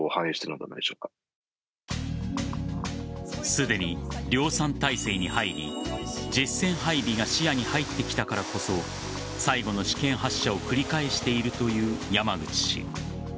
すでに、量産体制に入り実戦配備が視野に入ってきたからこそ最後の試験発射を繰り返しているという山口氏。